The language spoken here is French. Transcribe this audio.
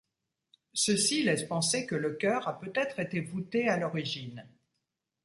Ceux-ci laissent penser que le chœur a peut-être été voûté à l'origine.